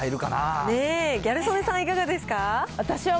ギャル曽根さん、いかがです